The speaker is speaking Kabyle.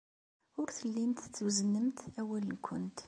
Ur tellimt twezznemt awal-nwent.